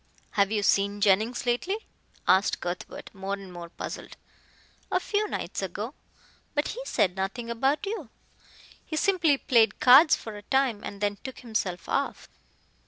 "Have you seen Jennings lately?" asked Cuthbert, more and more puzzled. "A few nights ago. But he said nothing about you. He simply played cards for a time and then took himself off."